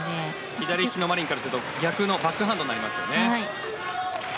左利きのマリンからするとバックハンドになります。